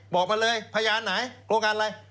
บอกมาเลยพยานไหนกรณ์ในโครงงานอะไร